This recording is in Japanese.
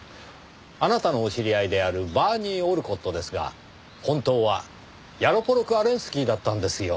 あなたのお知り合いであるバーニー・オルコットですが本当はヤロポロク・アレンスキーだったんですよ。